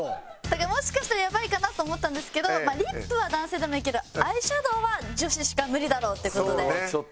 だからもしかしたらやばいかなと思ったんですけどリップは男性でもいいけどアイシャドーは女子しか無理だろうって事で。